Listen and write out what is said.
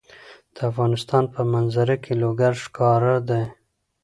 د افغانستان په منظره کې لوگر ښکاره ده.